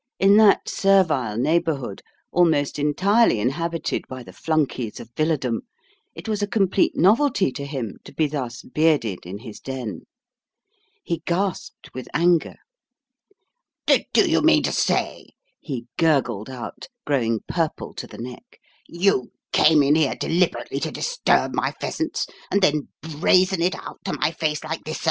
In that servile neighbourhood, almost entirely inhabited by the flunkeys of villadom, it was a complete novelty to him to be thus bearded in his den. He gasped with anger. "Do you mean to say," he gurgled out, growing purple to the neck, "you came in here deliberately to disturb my pheasants, and then brazen it out to my face like this, sir?